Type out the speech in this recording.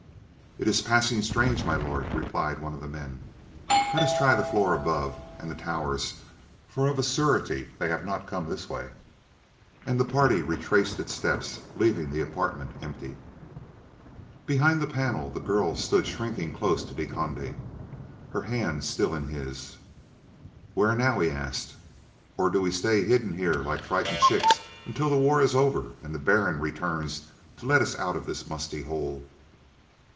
"It is passing strange, My Lord," replied one of the men. "Let us try the floor above, and the towers; for of a surety they have not come this way." And the party retraced its steps, leaving the apartment empty. Behind the panel, the girl stood shrinking close to De Conde, her hand still in his. "Where now?" he asked. "Or do we stay hidden here like frightened chicks until the war is over and the Baron returns to let us out of this musty hole?"